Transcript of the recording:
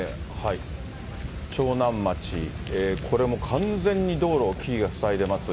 長南町、これも完全に道路を木が塞いでます。